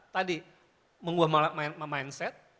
tadi mengubah mindset